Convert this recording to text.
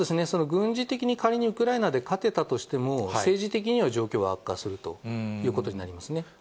軍事的に仮にウクライナで勝てたとしても、政治的には状況は悪化するということになりますね。